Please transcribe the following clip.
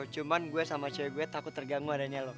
cuman gue sama cewek gue takut terganggu adanya loh